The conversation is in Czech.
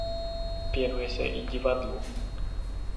Věnuje se i divadlu.